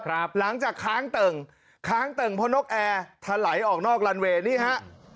หลังจากค้างเติ่งค้างเติ่งเพราะนกแอร์ถลายออกนอกลันเวย์นี่ฮะ